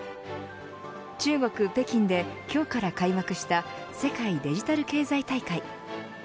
中国、北京で今日から開幕した世界デジタル経済大会。